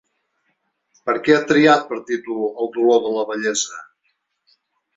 Per què ha triat per títol El dolor de la bellesa?